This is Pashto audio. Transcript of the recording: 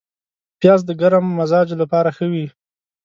پیاز د ګرم مزاجو لپاره ښه وي